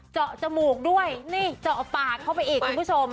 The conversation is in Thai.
จมูกด้วยนี่เจาะปากเข้าไปอีกคุณผู้ชม